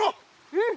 うん。